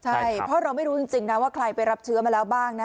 ใช่เพราะเราไม่รู้จริงนะว่าใครไปรับเชื้อมาแล้วบ้างนะ